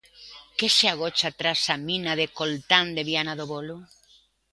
Que se agocha tras a mina de coltán de Viana do Bolo?